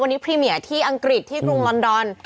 วันนี้พรีเมียที่อังกฤษที่กรุงลอนดอน